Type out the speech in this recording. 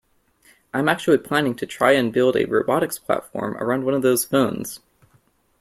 I'm actually planning to try and build a robotics platform around one of those phones.